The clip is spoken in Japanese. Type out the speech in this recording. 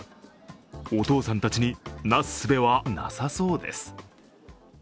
お父さんたちになすすべはなさそうです。